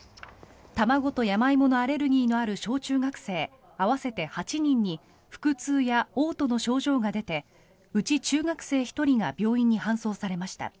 卵とヤマイモのアレルギーのある小中学生合わせて８人に腹痛やおう吐の症状が出てうち中学生１人が病院に搬送されました。